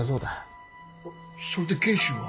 それで賢秀は？